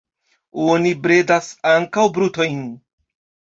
Oni bredas ankaŭ brutojn.